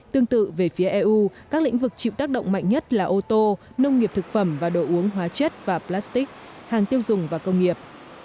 tương tự về phía eu các lĩnh vực chịu tác động mạnh nhất là ô tô nông nghiệp thực phẩm và đồ uống hóa chất và plastic hàng tiêu dùng và công nghiệp